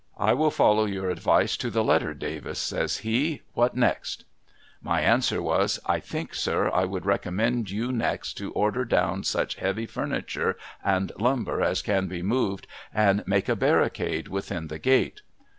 ' I will follow your advice to the letter, Davis,' says he ;' what next ?' My answer was, ' I think, sir, I would recommend you next, to order down such heavy furniture and lumber as can be moved, and make a barricade within the gate.'